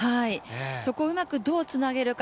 そこをうまくどうつなげるか。